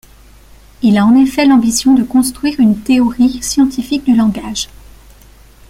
Il a en effet l'ambition de construire une théorie scientifique du langage.